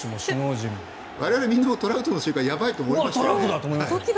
我々、トラウトの瞬間やばいと思いましたよね。